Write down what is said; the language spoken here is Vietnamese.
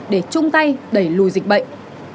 để chung tay đẩy lùi dịch bệnh